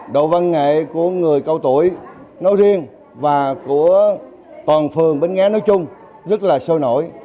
độ văn nghệ của người cao tuổi nói riêng và của toàn phường bến nghé nói chung rất là sôi nổi